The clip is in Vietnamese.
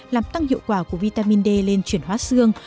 làm tăng hiệu quả của vitamin d lên chuyển hóa xương